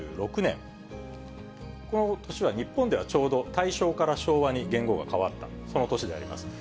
この年は日本ではちょうど大正から昭和に元号が変わった、その年であります。